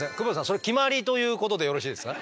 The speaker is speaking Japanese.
それ決まりということでよろしいですか？